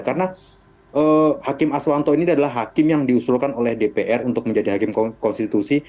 karena hakim aswanto ini adalah hakim yang diusulkan oleh dpr untuk menjadi hakim konstitusi